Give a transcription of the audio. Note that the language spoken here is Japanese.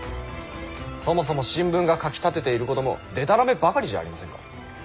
そもそも新聞が書きたてていることもでたらめばかりじゃありませんか。